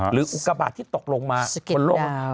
หรืออุกระบาดที่ตกลงมาบนโลกสะเก็ดดาว